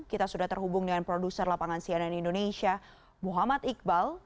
kita sudah terhubung dengan produser lapangan cnn indonesia muhammad iqbal